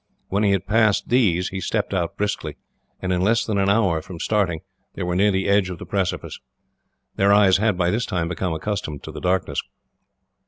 When he had passed these, he stepped out briskly, and in less than an hour from starting they were near the edge of the precipice. Their eyes had, by this time, become accustomed to the darkness.